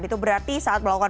itu berarti saat melakukan